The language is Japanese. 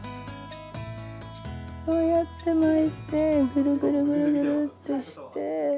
こうやって巻いてグルグルグルグルッとして。